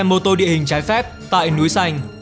mô tô địa hình trái phép tại núi xanh